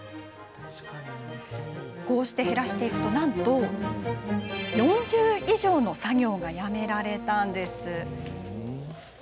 こうして減らしていくとなんと４０以上の作業をやめることができたんです。